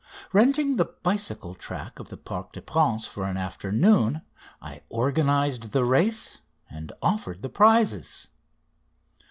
Renting the bicycle track of the Parc des Princes for an afternoon I organised the race and offered the prizes.